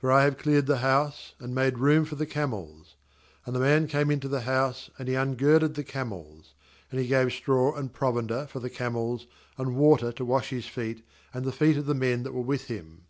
fox I have cleared the house, and made room for the camels.' ^And the man came into the house, and he ungirded the camels; and he gave straw and provender for the camels, and water to wash his feet and the feet of the men that were with him.